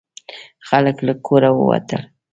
خلک له کوره ووتل.